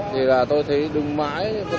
thì là tôi thấy đứng mãi